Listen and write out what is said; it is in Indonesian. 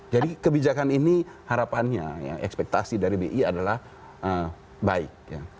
jadi kebijakan ini harapannya ekspektasi dari bi adalah baik